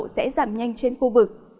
sẽ giảm nhanh trên khu vực